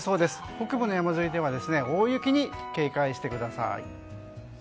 北部の山沿いでは大雪に警戒してください。